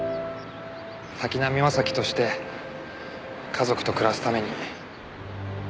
滝浪正輝として家族と暮らすために。